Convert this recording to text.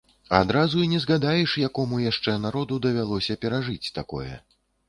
Адразу і не згадаеш, якому яшчэ народу давялося перажыць такое.